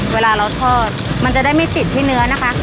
เวลาเราทอดมันจะได้ไม่ติดที่เนื้อนะคะ